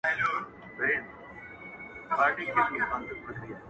سرې سرې سترګي هیبتناکه کوټه سپی ؤ،